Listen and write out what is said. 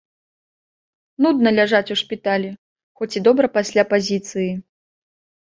Нудна ляжаць у шпіталі, хоць і добра пасля пазіцыі.